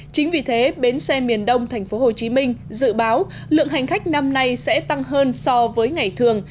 chính vì thế bến xe miền đông tp hcm dự báo lượng hành khách năm nay sẽ tăng hơn so với ngày thường